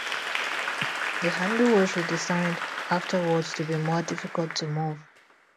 The handle was redesigned afterwards to be more difficult to move.